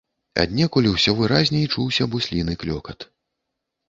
Аднекуль усё выразней чуўся бусліны клёкат.